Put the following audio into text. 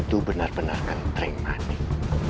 tentu benar benar kentrim manik